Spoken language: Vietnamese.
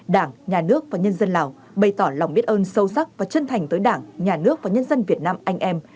đảng nhà nước và nhân dân lào bày tỏ lòng biết ơn sâu sắc và chân thành tới đảng nhà nước và nhân dân việt nam anh em